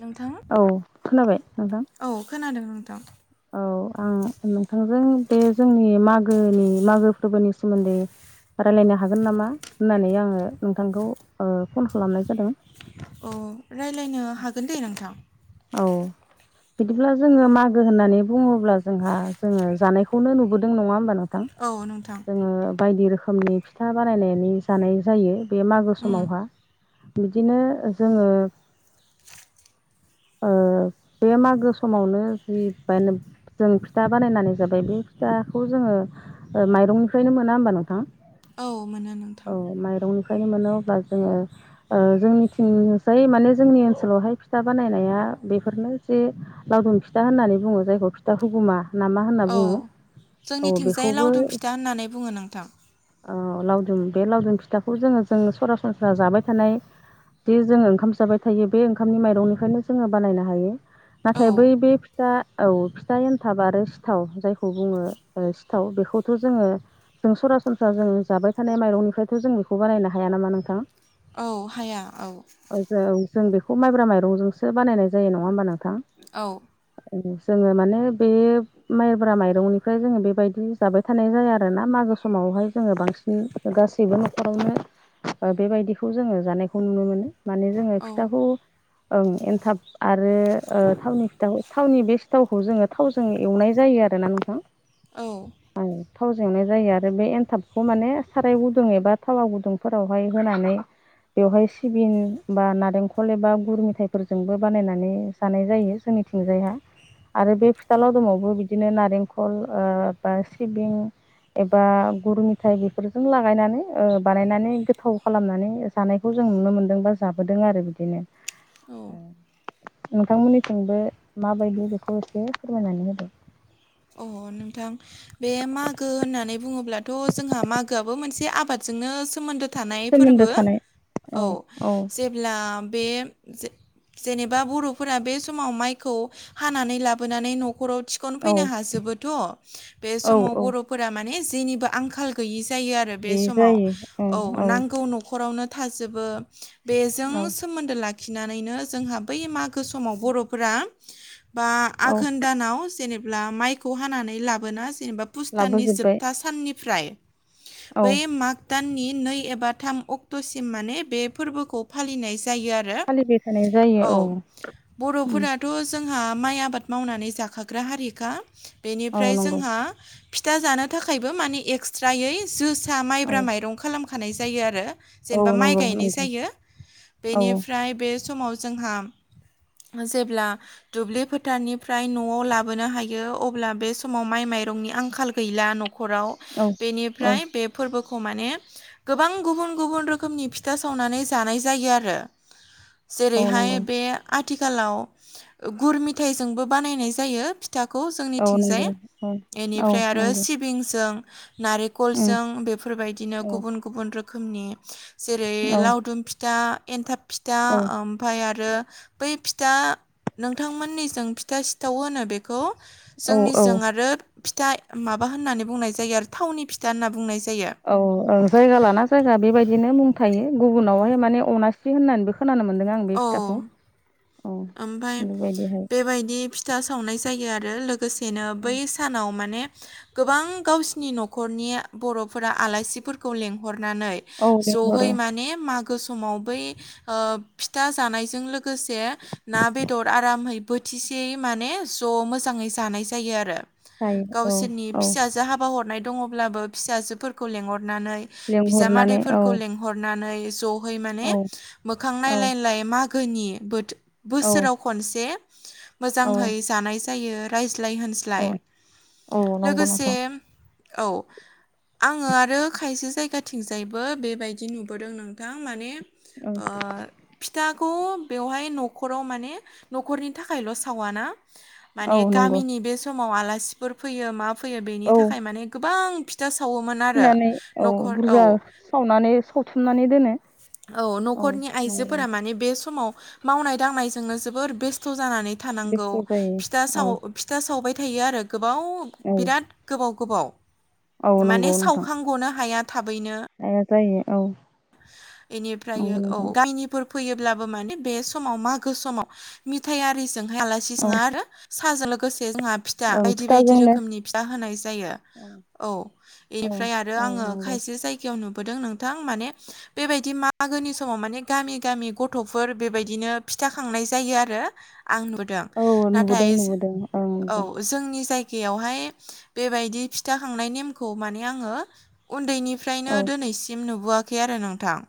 नोंथां औ खोनाबाय नोंथां? औ खोनादों नोंथां औ। आं नोंथांजों बे जोंनि मागोनि मागो फोरबोनि सोमोन्दै रायलायनो हागोन नामा होननानै आंङो नोंथांखौ ओ फन खालामनाय जादों। औ रायलायनो हागोन दे नोंथां। औ। बिदिब्ला जोङो मागो होननानै बुंङोब्ला जोंहा जोङो जानायखौनो नुबोदों नंङा होमबा? नोंथां औ नोंथां। जोङो बायदि रोखोमनि फिथा बानायनानै जानाय जायो बे मागो उम समावहा। बिदिनो जोङो ओ बे मागो समावनो जि जानो जों फिथा बानायनानै जाबाय बे फिथाखौ जोङो ओ माइरंनिफ्रायनो मोना होमबा नोंथां? औ मोनो नोंथां। फायनो मोनो अब्ला जोङो ओ जोंनिथिंसाय माने जोंनि ओनसोलावहाय फिथा बानायनाया बेफोरनो जे लावदुम फिथा होननानै बुंङो जायखौ फिथा हुगुमा नामा होनना औ बुङो? औ जोंनिथिंजाय बेखौबो लावदुम फिथा होननानै बुङो नोंथां औ लावदुम बे लावदुम फिथाखौ जोङो जों सरासनस्रा जाबाय थानाय जे जोङो ओंखाम जाबाय थायो बे ओंखामनि माइरंनिफ्रायनो जोङो बानायनो हायो औ नाथाय बै बे फिथा औ फिथा एन्थाब आरो सिथाव जायखौ बुंङो ओ सिथाव बेखौथ' जोङो जों सरासनस्रा जों जाबाय थानाय माइरंनिफ्रायथ' जों बेखौ बानायनो हाया नामा नोंथां? औ हाया औ। जों जों बेखौ माइब्रा माइरंजोंसो बानायनाय जायो नङा होमबा नोंथां? औ। ओं जोङो माने बे माइब्रा माइरंनिफ्राय जोङो बेबायदि जाबाय थानाय जाया आरो ना मा गो समावहाय जोङो बांसिन गासैबो न'खरावनो ओ बेबायदिखौ जोङो जानायखौ नुनो मोनो। माने जोङो औ फिथाखौ ओं एनथाब आरो ओ थावनि फिथाखौ थावनि बे सिथावखौ जोङो थावजों एवनाय जायो आरो ना नोंथां। औ। थावजों एवनाय जायो आरो बे एन्थाबखौ माने साराय गुदुं एबा थावा गुदुंफोरावहाय होनानै बेवहाय सिबिन बा नारेंखल एबा गुर मेथाइफोरजोंबो बानायनानै जानाय जायो जोंनिथिंजायहा आरो बे फिथा औ लावदुमावबो बिदिनो नारेंखल ओ बा सिबिं एबा गुर मथाइ बेफोरजों लागायनानै ओ बानायनानै गोथाव खालामनानै जानायखौ जों नुनो मोन्दों बा जाबोदों आरो बिदिनो। औ नोंथांमोननिथिंबो माबायदि बेखौ एसे फोरमायनानै होदो। अ नोंथां बे मागो होननानै बुंङोब्लाथ' जोंहा मागोआबो मोनसे आबादजोंनो सोमोन्दो थानाय सोमोन्दो फोरबो थानाय औ जेब्ला बे जे-जेनेबा बर'फोरा बे समाव माइखौ हानानै लाबोनानै न' खराव थिखन औ फैनो हाजोबोथ' बे औ समाव औ बर'फोरा माने जेनिबो आंखाल गैयि जायो आरो बे समाव औ नांगौ न'खरावनो थाजोबो। बेजों औ सोमोन्दो लाखिनानैनो जोंहा बै मागो समाव बर'फोरा बा औ आघोन दानाव जेनेबा माइखौ हानानै लाबोना जेनेबा पुस दाननि लाबोजोब्बाय जोबथा साननिफ्राय औ बै माग दाननि नै एबा थाम अक्ट'सिम माने बे फोरबोखौ फालिनाय जायो आरो फालिबाय थानाय जायो औ औ बर'फोराथ' जों जोंहा माइ आबाद मावनानै जाखाग्रा हारिखा औ बेनिफ्राय नंगौ जोंहा फिथा जानो थाखायबो मानि एक्सट्रायै जोसा औ माइब्रा माइरं खालामखानाय जायो आरो औ जेनेबा माइ नंगौ गायनाय नंगौ जायो औ बेनिफ्राय बे समाव जोंहा जेब्ला दुब्लि फोथारनिफ्राय न'आव लाबोनो हायो यो अब्ला बे समाव माइ माइरंनि आंखाल गैला न'खराव औ औ बेनिफ्राय बे फोरबोखौ खौ माने गोबां गुबुन गुबुन रोखोमनि फिथा सावनानै जानाय जायो आरो औ नंगौ जेरैहाय बे आथिखालाव गुर मिथाइजोंबो बानायनाय जायो फि फिथाखौ औ नंगौ जोंनिथिंजाय औ औ इनिफ्राय आरो नंगौ सिबिंजों उम नारेकलजों बेफोरबायदिनो औ गुबुन गुबुन रोखोमनि जेरै औ लावदुम फिथा एन्थाब फिथा औ ओमफाय आरो बै फि था नोंथांमोननिजों फिथा सिथाव होनो बेखौ औ जोंनिजों औ आरो फिथा माबा होननानै बुंनाय जायो आरो थावनि फिथा होनना बुंनाय जायो। औ औ जायगा लाना जायगा बेबायदिनो मुं थायो गुबुनावहाय माने अनासि होननानैबो खोनानो मोनदों आं बे औ फिथाखौ औ ओमफाय बेबायदिहाय बेबायदि फिथा सावनाय जायो आरो लोगोसेनो बै सानाव माने गोबां गावसिनि नखरनि बर'फोरा आलासिफोरखौ लेंहर नानै औ जहै लिंहरो माने मागो समाव बै फिथा जानायजों लोगो से ना बेदर आरामै बोथिसेयै माने ज' मोजाङै जानाय जायो आरो जायो औ गावसोरनि औ फिसाजो हाबा हरनाय दङब्लाबो फिसाजोफोरखौ लेंहरनानै लिंहरनानै औ बिजामादैफोरखौ लेंहरनानै ज' है माने औ मोखां औ नायलायलाय मागोनि बोथ औ बोसोराव खनसे औ मोजांहै जानाय जायो। लाय होनज्लाय औ औ नंगौ लोगोसे नोंथां औ आङो आरो खायसे जायगाथिंजायबो बेबायदि नुबोदों नोंथां माने औ ओ फिथाखौ बेवहाय न'खराव माने न'खरनि थाखायल सावा ना औ माने नंगौ गामिनि बे समाव आलासिफोर फैयो मा फैयो बेनि औ थाखाय माने गोबां फिथा सावोमोन आरो फिनानै औ न'खर औ बुरजा सावनानै सावथुमनानै दोनो। औ न'खरनि आइजोफोरा माने बे समाव मावनाय दांनायजोंनो जोबोर बेस्थ जानानै थानांगौ बेस्थ' जायो फिथा औ साव फिथा सावबाय थायो आरो गोबाव औ बिराद गोबाव गोबाव औ माने नंगौ नोंथां सावखांगनो हाया। थाबैनो हाया जायो औ इनिफ्रायो नंगौ औ नोंथां गामिनि फोरबो फैयोब्लाबो माने बे समाव मागो समाव मिथायारिजोंहाय आलासि औ सोङा आरो साहाजों लोगोसे जोंहा फिथा ओं बायदि बायदि फिथाजोंनो रोखोमनि फिथा होनाय जायो। औ औ इनिफ्राय आरो औ आङो नंगौ खायसे जायगायाव नुबोदों नोंथां माने बेबायदि मागोनि समाव माने गामि गामि गथ'फोर बेबायदिनो फिथा खांनाय जायो आरो आं नुदों औ नाथाय नुबोदों नुबोदों ओं औ नुदों जोंनि जाय यावहाय बेबायदि फिथा खांनाय नेमखौ माने आङो उन्दैनि फ्रायनो औ दोनैसिम नुबोआखै आरो नोंथां।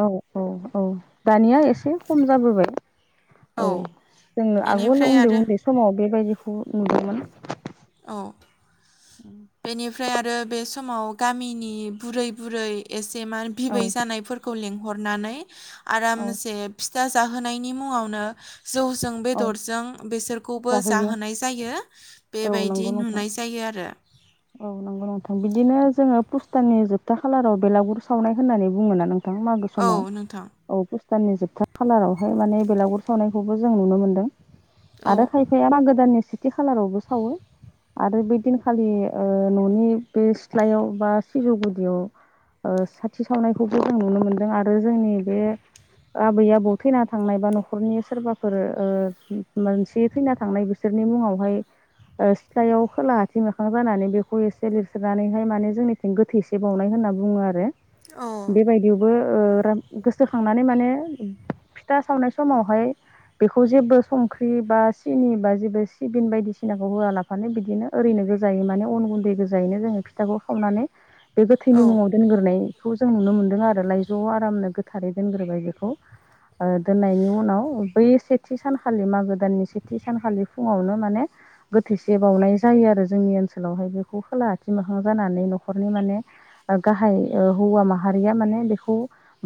औ औ औ दानिया एसे एसे खम जाबोबाय औ जोंङो आगोल बेनिफ्राय उन्दै आरो उन्दै समाव बेबायदि खौ नुदोंमोन। ओमफ्राय आरो बे समाव गामिनि बुरै बुरै एसे मा औ बिबै जानायफोरखौ लें हरनानै औ आरामसे फिथा जाहोनायनि मुङावनो जौजों औ बेदरजों बेसोरखौबो जाहोयो जाहोनाय जायो। औ बेबायदि नंगौ नोंथां नुनाय जायो आरो। औ नंगौ नोंथां। बिदिनो जोङो पुस दाननि जोबथा खालाराव बेलागुर सावनाय होननानै बुङो नोंथां नोंथां मागो औ समाव नोंथां औ दाननि जोबथा खालारावहाय माने बेलागुर सावनायखौबो जों नुनो मोन्दों। औ आरो खायफाया मागो दाननि सेथि खालारावबो सावो आरो बै दिनखालि ओ न'नि बे सिथ्लायाव बा सिजौ गुदियाव ओ साथि सावनायखौबो जों नुनो मोनदों आरो जोंनि बे आबै-आबौ थैना थांनाय बा न'खरनि सोरबाफोर ओ मानसि थैना थांनाय बिसोर मुंआवहाय ओ सिथ्लायाव खोलाहाथिं मोखां बोनानै बेखौ एसे लिरसनानैहाय माने जोंनिथिं गोथैसे बावनाय होनना बुङो आरो औ बेबायदिबो ओ गोसोखांनानै माने फिथा सावनाय समावहाय बेखौ जेबो संख्रि बा सिनि बा जेबो सिबिन बायदिसिनाखौ होआलाफानो बिदिनो ओरैनो गो जायै माने अन गुन्दै गोजायैनो जोङो फिथाखौ खावनानै बे गोथैनि औ मुङाव दोनग्रोनाय बेखौ जों नुनो मोन्दों आरो लायज'आव आरामनो गोथारै दोनग्रोबाय बेखौ ओ दोननायनि उनाव बै सेथि सानखालि मागो दाननि सेथि सानखालि फुङावनो माने गोथै सि बावनाय जायो आरो। जोंनि ओनसोलावहाय बेखौ खोला आथिं मोखां जानानै न'खरनि माने गाहाय ओ हौवा माहा यारिया माने बेखौ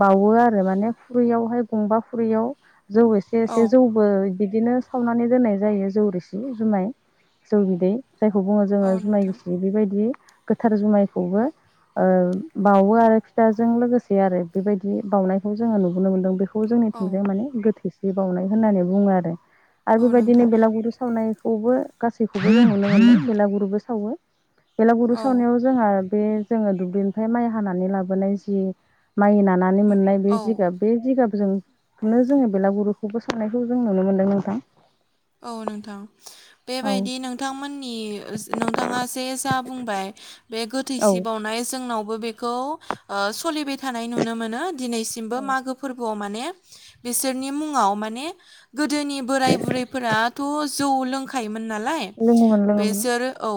बावो आरो माने खुरैयावहाय गंबा खुरैयाव जौ एसे औ एसे जौबो बिदिनो सावनानै दोननाय जायो जौ रिसि जुमाय जौ बिदै जायखौ बुङो औ जोङो जुमाय नोंथां गिसि बेबायदि गोथार जुमायखौबो ओ बावो आरो फिथाजों लोगोसे आरो बेबायदि बावनायखौ जोङो नुबोनो मोनदों। बेखौ खौ औ जोंनिथिंजाय माने गोथै सि बावउनाय होननानै बुङो आरो। आरो औ बेबायदिनो नोंथां बेलागुरि सावनाय -अबो गासैखौबो सावनो हो मेलागुरुबो सावो बेलागुरु औ सावनायाव जोंहा बे जोङो दुब्लिनिफ्राय माइ हानानै लाबोनाय जि माइ नानानै मोननाय बे औ जिगाब बे जिगाब जोंनो जोङो बेलागुरुखौबो सावनायखौ जों नुनो मोनदों नोंथां औ नोंथां औ बेबायदि नोंथांमोननि नोंथाङा जे जा बुंबाय बे औ गोथैसि बावनाय जोंनावबो बेखौ सोलिबाय थानाय नुनो मोनो दिनैसिमबो मागो फोरबोआव [unintelligible] ने बिसोरनि मुङाव माने गोदोनि बोराइ बुरै फोराथ' जौ लोंखायोमोन नालाय लोङोमोन लोङोमोन बेसोर औ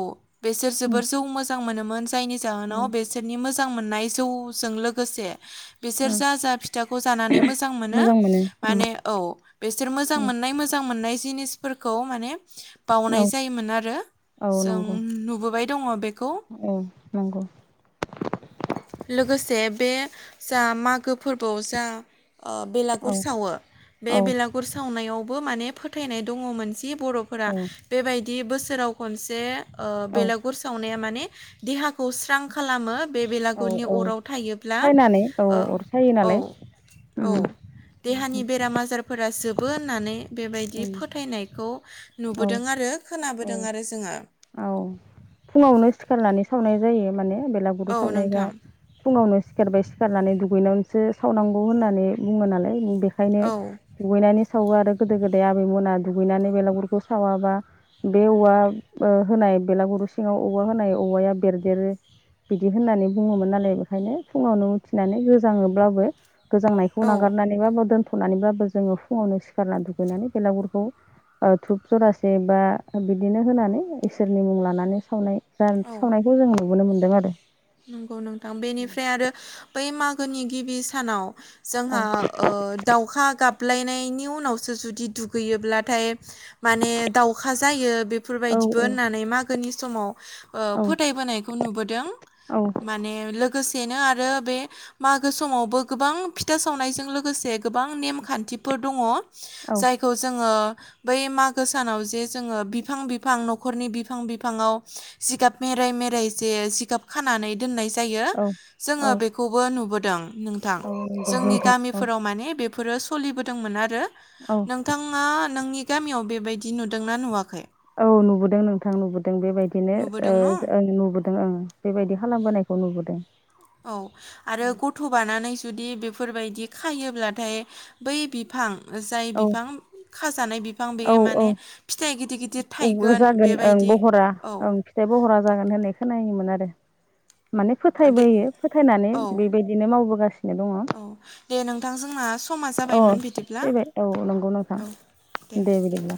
बेसोर जोबोर जौ मोजां मोनोमोन जायनि उम जाहोनाव बेसोरनि मोजां मोननाय जौजों लोगोसे बिसोर उम जा जा फिथाखौ जानानै मोजां मोनो माने औ बिसोर मोजां मोन नाय मोजां मोननाय जिनिसफोरखौ माने बावनाय औ जायोमोन आरो औ जों नंगौ नुबोबाय दङ बे औ नंगौ। लोगोसे बे जा मागो फोरबोआव जा ओ बेलागुर औ सावो बे औ बेलागुर सावनायावबो माने फोथायनाय दङ मोन जि बर'फोरा औ बेबायदि बोसोराव खनसे औ बेलागुर सावनाया माने देहाखौ स्रां खालामो बे औ बेलागुरनि औ अराव थायोब्ला। सायनानै औ अर सायो औ नालाय औ। उम देहानि बेराम आजारफोरा जोबो होननानै बेबायदि उम फोथायनायखौ औ नुबोदों आरो औ खोनाबोदों आरो जोङो। औ फुङावनो सिखारना। सावनाय जायो माने बेलागुरु औ सावनायबा नोंथां फुङावनो सिखारबाय सिखारनानै दुगैनानै। सो सावनांगौ होननानै बुङो नालाय बेखायनो औ दुगैनानै सावो आरो। गोदो-गोदाय आबैमोना दुगैनानै बेलागुरखौ सावाबा। बे औवा ओ होनाय बेलागुरनि सिङाव औवा होनाय औवाया बेरदेरो। बिदि होननानै बुङोमोन नालाय बेखायनो फुङावनो उथिनानै गोजाङोब्लाबो। गोजांनायखौ औ नागारनानैबाबो, दोनथ'नानैबाबो जोङो फुङावनो सिखारना दुगैनानै बेलागुरखौ। ओ धुप जरासे बा बिदिनो होनानै इसोरनि मुं लानानै सावनाय। जान औ सावनायखौ जों नुबोनो मोन्दों आरो। नंगौ नोंथां बेनिफ्राय आरो बै मागोनि गिबि सानाव। औ जोंहा ओ दाउखा गाबलायनायनि उनावसो जुदि दुगैयोब्लाथाय। माने दाउखा जायो औ बेफोरबायदिबो औ होननानै मागोनि समाव। ओ औ फोथायबोनायखौ नुबोदों माने। लोगोसेनो आरो बे मागो समावबो गोबां फिथा सावनायजों लोगोसे गोबां नेमखान्थि। खान्थिफोर दङ' औ जायखौ जोङो। बै मागो सानाव जे जोङो बिफां-बिफां न'खरनि बिफां-बिफांआव जिगाब मेेर। मेराय-मेराय जे जिगाब खानानै। दोननाय जायो औ जोङो बेखौबो नुबोदों नोंथां। औ नंगौ जोंनि नोंथां औ गामिफोराव माने बेफ। बेफोरो सलिबोदोंमोन आरो। औ नोंथाङा नोंनि गामियाव बेबायदि नुदोंना नुवाखै? औ नुबोदों नोंथां नुबोदों बेबायदिनो ओ नुबोदों न' ओं नुबोदों ओं। बेबायदि खालामबोनायखौ नुबोदों। औ आरो औ गथ' बानानै जुदि बे‌। फोरबायदि खायोब्लाथाय बै बिफां। जाय औ बिफां खाजानाय बिफां औ बेयो माने फिथाइ गिदिर-गिदिर। [unintelligible] जागोन ओं बहरा औ ओं फिथाइ बहरा जागोन होननाय खोनायोमोन आरो। माने दे फोथायबोयो फोथायनानै औ बेबायदिनो मावबोगासिनो। दङ' औ दे नोंथां जोंना समा अ! जाबायमोन बिदिब्ला फैबाय औ नंगौ नोंथां। औ दे बिदिब्ला।